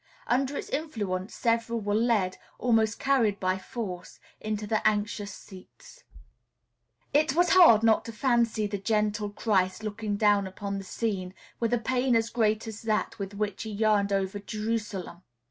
Under its influence several were led, almost carried by force, into the anxious seats. It was hard not to fancy the gentle Christ looking down upon the scene with a pain as great as that with which he yearned over Jerusalem.